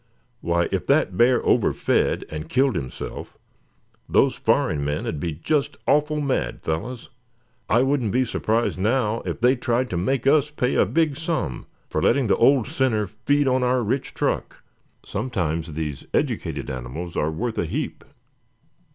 "Why, if that bear overfed, and killed himself, those foreign men'd be just awful mad, fellows. I wouldn't be surprised now, if they tried to make us pay a big sum for letting the old sinner feed on our rich truck. Sometimes these educated animals are worth a heap."